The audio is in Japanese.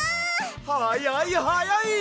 はやいはやい！